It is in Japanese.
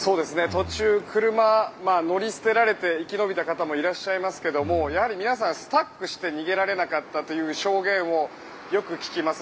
途中、車、乗り捨てられて生き延びた方もいらっしゃいますがやはり皆さんスタックして逃げられなかったという証言をよく聞きます。